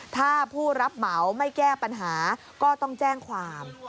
ถ้าผู้รับเหมาไม่แก้ปัญหาก็ต้องแจ้งความ